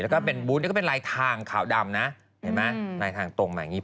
แล้วก็เป็นบูธนี่ก็เป็นลายทางขาวดำนะเห็นไหมลายทางตรงมาอย่างนี้